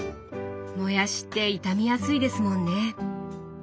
もやしって傷みやすいですもんね。